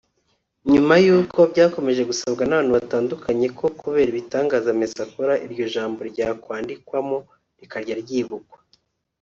nyuma y’uko byakomeje gusabwa n’abantu batandukanye ko kubera ibitangaza Messi akora iryo jambo ryakwandikwamo rikajya ryibukwa